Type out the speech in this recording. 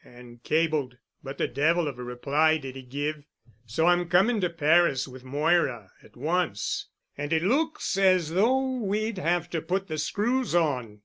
and cabled, but the devil of a reply did he give. So I'm coming to Paris with Moira at once and it looks as though we'd have to put the screws on.